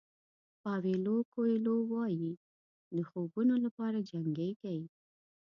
پاویلو کویلو وایي د خوبونو لپاره جنګېږئ.